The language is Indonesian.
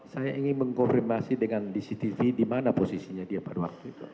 saya ingin mengkonfirmasi dengan cctv di mana posisinya dia pada waktu itu